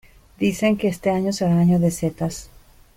Dicen que este año será año de setas.